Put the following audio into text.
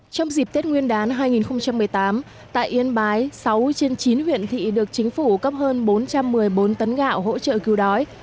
trong dịp tết nguyên đán hai nghìn một mươi tám tại yên bái sáu trên chín huyện thị được chính phủ cấp hơn bốn trăm một mươi bốn tấn gạo hỗ trợ cứu đói